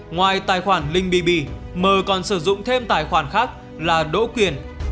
ngoài tài khoản linh bb m còn sử dụng thêm tài khoản khác là đỗ quyền